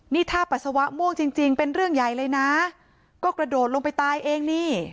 นี่ถ้าปัสสาวะม่วงจริงจริงเป็นเรื่องใหญ่เลยนะก็กระโดดลงไปตายเองนี่